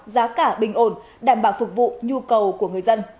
giá cả bình ổn đảm bảo phục vụ nhu cầu của người dân